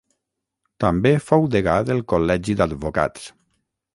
També fou degà del Col·legi d'Advocats.